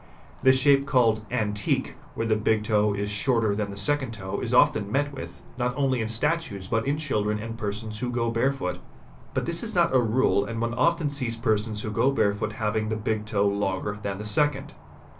The shape called 'antique '"', where the big toe is shorter than the second toe, is often met with, not ih AT 1a UU 8 a Wa BRAY only in statues, but in children and persons who go barefoot. But this 'is not a rule, and one often sees persons who go barefoot having the big e longer than the second.